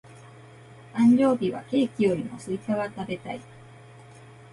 誕生日はケーキよりもスイカが食べたい。